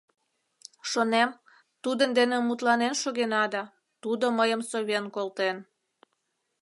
Шонем, тудын дене мутланен шогена да, тудо мыйым совен колтен.